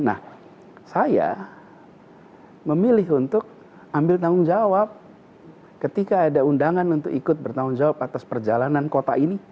nah saya memilih untuk ambil tanggung jawab ketika ada undangan untuk ikut bertanggung jawab atas perjalanan kota ini